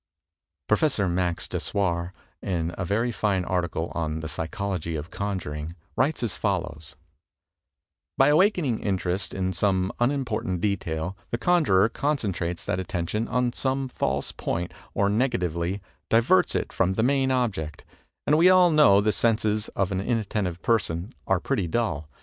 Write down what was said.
Prof. Max Dessojr, in a very fine article on "The Psy chology of Conjuring," writes as follows: "By awakening interest in some unimportant detail, the conjurer concen trates that attention on some false point, or negatively, diverts it from the main object, and we all know the senses of an inattentive person are pretty dull